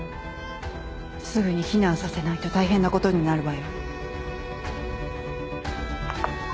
すぐに避難させないと大変なことになるわよ。